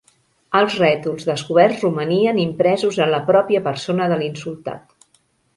Els rètols descoberts romanien impresos en la pròpia persona de l'insultat.